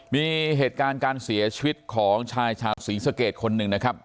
มีเหตุการณ์การเสียชีวิตของชายชาวศรีสะเกดคนหนึ่งนะครับ